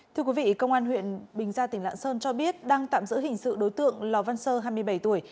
thưa quý vị công an huyện bình gia tỉnh lạng sơn cho biết đang tạm giữ hình sự đối tượng lò văn sơ hai mươi bảy tuổi